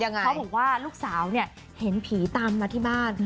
เขาบอกว่าลูกสาวเนี่ยเห็นผีตามมาที่บ้าน